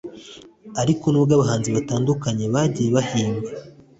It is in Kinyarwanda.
Ariko ntabwo abahanzi batandukanye bagiye bahimba